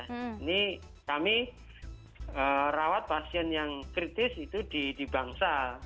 ini kami rawat pasien yang kritis itu di bangsa